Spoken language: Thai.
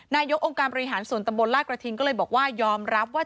นายกองค์การบริหารส่วนตำบลลาดกระทิงก็เลยบอกว่ายอมรับว่า